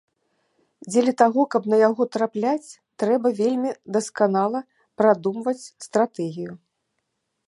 Дзеля таго, каб на яго трапляць, трэба вельмі дасканала прадумваць стратэгію.